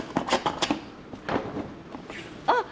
あっ！